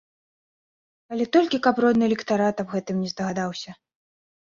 Але толькі каб родны электарат аб гэтым не здагадаўся.